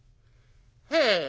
「へえ。